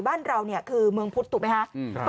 บ้านเราเนี่ยคือเมืองพุทธถูกไหมคะ